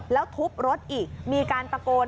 แล้วทุบรถอีกมีการตะโกน